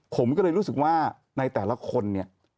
ผมก็เลยรู้สึกว่าในแต่ละคนเนี่ย